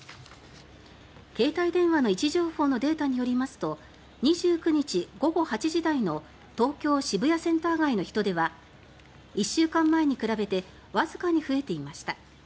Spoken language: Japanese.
携帯電話の位置情報のデータによりますと２９日午後８時台の東京・渋谷センター街の人出は１週間前に比べてわずかに増えていました。